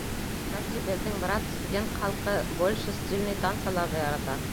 Кстати, беҙҙең брат, студент халҡы, больше стильный тансаларҙы ярата.